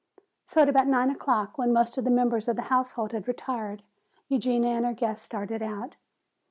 So at about nine o'clock, when most of the members of the household had retired, Eugenia and her guest started out.